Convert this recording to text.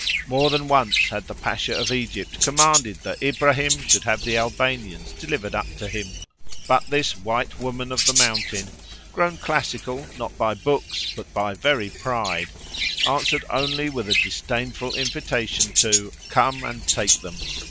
More than once had the Pasha of Egypt commanded that Ibrahim should have the Albanians delivered up to him, but this white woman of the mountain (grown classical not by books, but by very pride) answered only with a disdainful invitation to "come and take them."